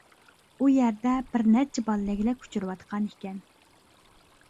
ئۇ يەردە بىر نەچچە بالا لەگلەك ئۇچۇرۇۋاتقان ئىكەن.